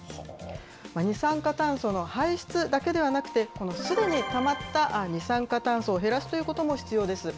二酸化炭素の排出だけではなくて、このすでにたまった二酸化炭素を減らすことも必要です。